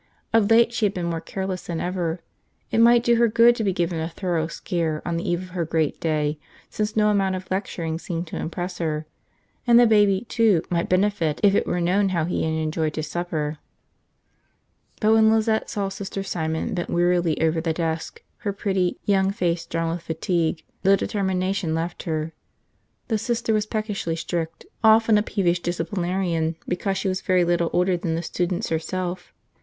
Of late she had been more careless than ever. It might do her good to be given a thorough scare on the eve of her great day, since no amount of lecturing seemed to impress her. And the baby, too, might benefit if it were known how he had enjoyed his supper. But when Lizette saw Sister Simon bent wearily over the desk, her pretty, young face drawn with fatigue, the determination left her. The Sister was peckishly strict, often a peevish disciplinarian because she was very little older than the students herself.